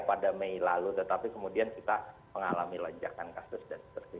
pada mei lalu tetapi kemudian kita mengalami lonjakan kasus dan sebagainya